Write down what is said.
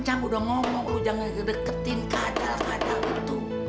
cang udah ngomong lu jangan deketin kadal kadal itu